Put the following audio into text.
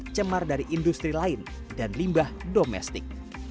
dan air tersebut juga tercemar dari industri lain dan limbah domestik